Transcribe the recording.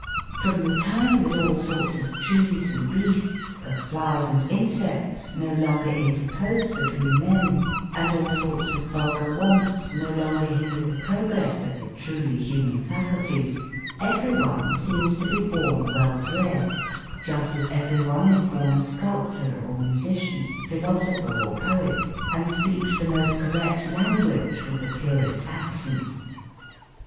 From the time that all sorts of trees and beasts, of flowers and insects no longer interpose between men, and all sorts of vulgar wants no longer hinder the progress of the truly human faculties, every one seems to be born well bred, just as every one is born a sculptor or musician, philosopher or poet, and speaks the most correct language with the purest accent.